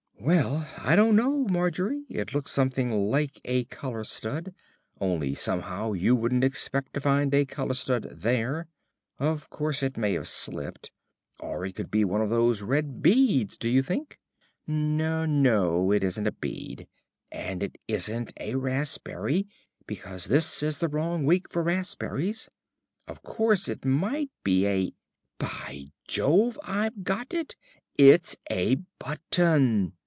"Well, I don't know, Margie. It looks something like a collar stud, only somehow you wouldn't expect to find a collar stud there. Of course it may have slipped.... Or could it be one of those red beads, do you think?... N no no, it isn't a bead.... And it isn't a raspberry, because this is the wrong week for raspberries. Of course it might be a By Jove, I've got it! It's a button."